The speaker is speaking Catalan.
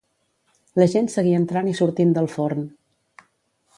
La gent seguia entrant i sortint del forn.